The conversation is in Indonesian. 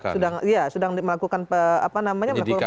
sudah persidangan bahkan ya sudah melakukan